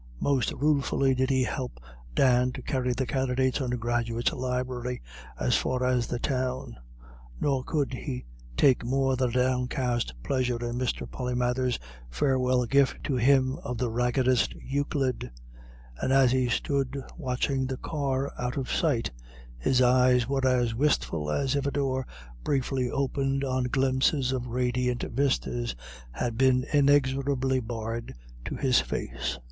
Most ruefully did he help Dan to carry the candidate undergraduate's library as far as the Town; nor could he take more than a downcast pleasure in Mr. Polymathers's farewell gift to him of the raggedest Euclid. And as he stood watching the car out of sight, his eyes were as wistful as if a door briefly opened on glimpses of radiant vistas had been inexorably barred in his face.